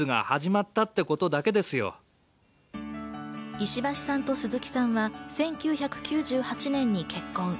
石橋さんと鈴木さんは１９９８年に結婚。